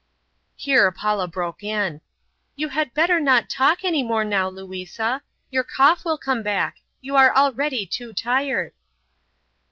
Here Paula broke in: "You had better not talk any more now, Louisa. Your cough will come back you are already too tired."